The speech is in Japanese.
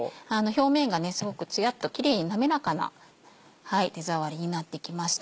表面がすごくツヤっとキレイに滑らかな手触りになってきました。